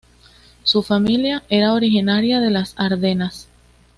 Su familia era originaria de las Ardenas.